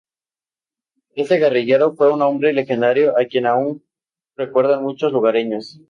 Este guerrillero fue un hombre legendario a quien aún recuerdan muchos lugareños.